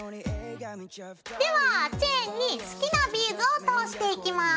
ではチェーンに好きなビーズを通していきます。